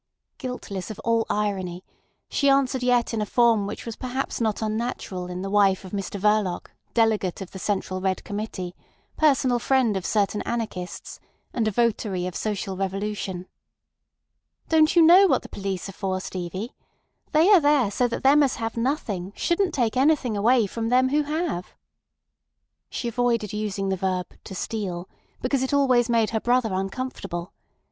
Guiltless of all irony, she answered yet in a form which was not perhaps unnatural in the wife of Mr Verloc, Delegate of the Central Red Committee, personal friend of certain anarchists, and a votary of social revolution. "Don't you know what the police are for, Stevie? They are there so that them as have nothing shouldn't take anything away from them who have." She avoided using the verb "to steal," because it always made her brother uncomfortable.